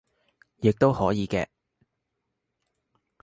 亦都可以嘅